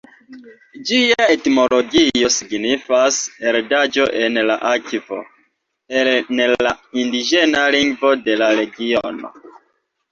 Gia etimologio signifas "heredaĵo en la akvo", en la indiĝena lingvo de la regiono.